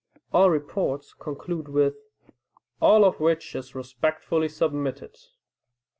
All reports conclude with, "All of which is respectfully submitted."